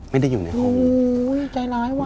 ไม่ได้อยู่ในห้องอเจมส์อู้ยใจร้ายวะ